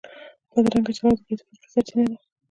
بدرنګه چلند د بې اتفاقۍ سرچینه ده